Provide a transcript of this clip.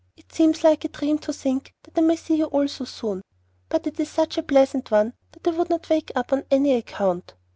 It seems like a dream to think that I may see you all so soon; but it is such a pleasant one that I would not wake up on any account.